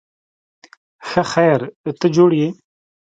ښه خیر، ته جوړ یې؟